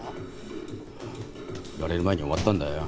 フラれる前に終わったんだよ。